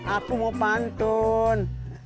aku mau pantun